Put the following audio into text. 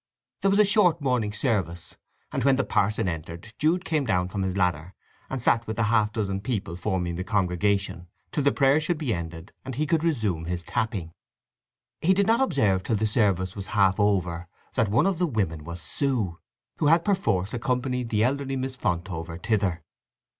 There was a short morning service, and when the parson entered Jude came down from his ladder, and sat with the half dozen people forming the congregation, till the prayer should be ended, and he could resume his tapping. He did not observe till the service was half over that one of the women was Sue, who had perforce accompanied the elderly Miss Fontover thither.